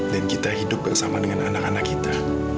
dan kita hidup bersama dengan anak anak kita